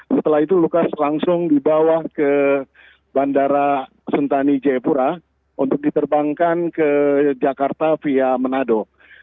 setelah itu lukas langsung dibawa ke bandara sentani jayapura untuk diterbangkan ke jakarta via manado